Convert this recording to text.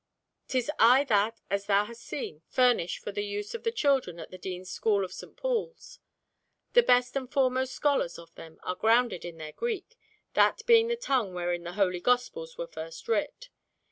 'Tis I that, as thou hast seen, furnish for the use of the children at the Dean's school of St. Paul's. The best and foremost scholars of them are grounded in their Greek, that being the tongue wherein the Holy Gospels were first writ.